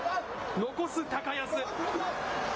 残す高安。